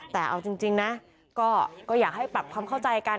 แต่เอาจริงนะก็อยากให้ปรับความเข้าใจกัน